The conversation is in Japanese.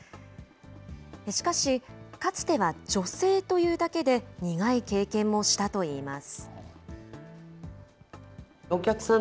しかし、かつては女性というだけで、苦い経験もしたといいます。